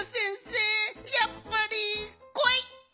やっぱりこわい！